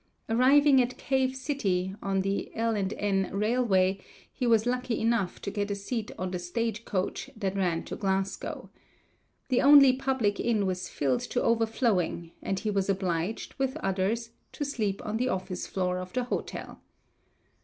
Arriving at Cave City, on the L. & N. Railway, he was lucky enough to get a seat on the stage coach that ran to Glasgow. The only public inn was filled to overflowing, and he was obliged, with others, to sleep on the office floor of the hotel.